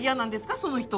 その人は。